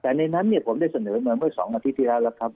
แต่ในนั้นผมได้เสนอเมื่อ๒นาทีที่แล้ว